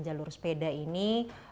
jalur sepeda ini